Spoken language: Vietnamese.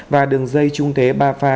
và đường dây trung thế ba pha